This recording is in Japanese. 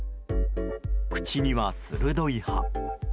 口には鋭い歯。